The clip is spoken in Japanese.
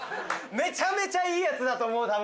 めちゃめちゃいいやつだと思う。